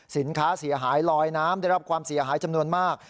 สินค้าเสียหายลอยน้ำได้รับความเสียหายจำนวนมาก